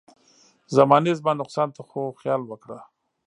زمانې زما نقصان ته خو خیال وکړه.